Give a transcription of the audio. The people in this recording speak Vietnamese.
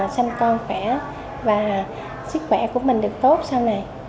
xanh con khỏe và sức khỏe của mình được tốt sau này